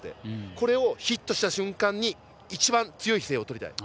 これをヒットした瞬間に一番、強い姿勢をとりたい。